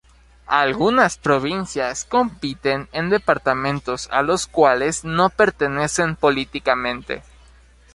Algunas provincias compiten en departamentos a los cuales no pertenecen políticamente.